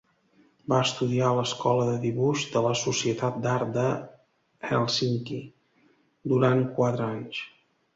Va estudiar a l'Escola de Dibuix de la Societat d'Art de Hèlsinki durant quatre anys.